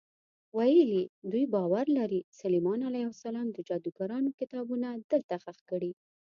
ویل یې دوی باور لري سلیمان علیه السلام د جادوګرانو کتابونه دلته ښخ کړي.